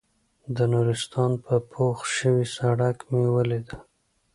د نورستان په پوخ شوي سړک مې وليدل.